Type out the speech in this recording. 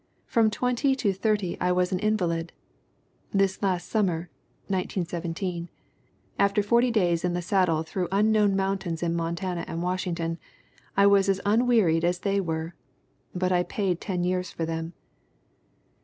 From twenty to thirty I was an invalid. ... This last summer (1917), after forty days in the saddle through unknown mountains in Montana and Washington, I was as unwearied as they were. But I paid ten years for them."